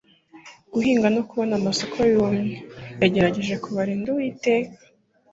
guhinga no kubona amasoko yumye. yagerageje kubarinda uwiteka